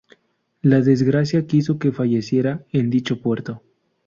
La desgracia quiso que falleciera en dicho puerto.